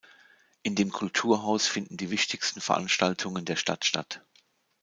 In dem Kulturhaus finden die wichtigsten Veranstaltungen der Stadt statt.